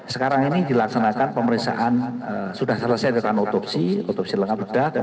sekarang ini dilaksanakan pemeriksaan sudah selesai dengan otopsi otopsi lengkap bedah